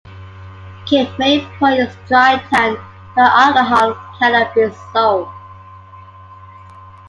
Cape May Point is a dry town where alcohol cannot be sold.